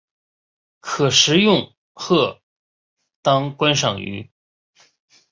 可食用或当观赏鱼。